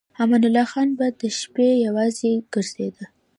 امان الله خان به د شپې یوازې ګرځېده.